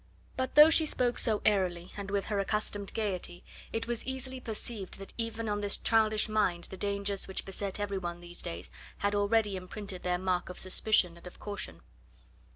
But though she spoke so airily and with her accustomed gaiety, it was easily perceived that even on this childish mind the dangers which beset every one these days had already imprinted their mark of suspicion and of caution.